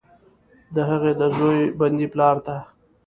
د هغې، د زوی، بندي پلارته،